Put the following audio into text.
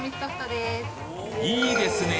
いいですね！